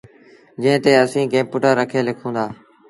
جݩهݩ تي اسيٚݩ ڪمپيوٽر رکي لکون دآ۔